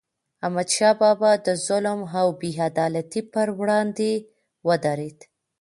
احمد شاه بابا د ظلم او بې عدالتی پر وړاندې ودرید.